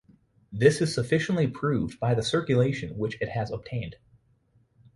This is sufficiently proved by the circulation which it has obtained.